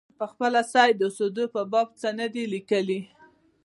پخپله سید د اوسېدلو په باب څه نه دي لیکلي.